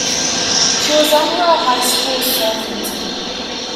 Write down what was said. She was on her high school's surfing team.